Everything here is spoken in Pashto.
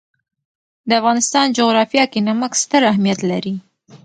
د افغانستان جغرافیه کې نمک ستر اهمیت لري.